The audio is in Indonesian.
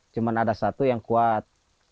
cuma ada satu yang kuat